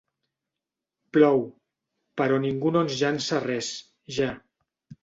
Plou, però ningú no ens llança res, ja.